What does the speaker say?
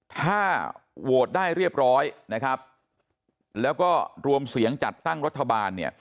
ถ้าโหวตได้เรียบร้อยแล้วก็รวมเสียงจัดตั้งรัฐบาล